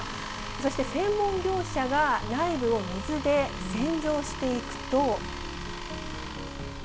そして専門業者が内部を水で洗浄していくと。